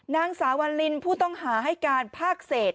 นางสาวาลินผู้ต้องหาให้การภาคเศษ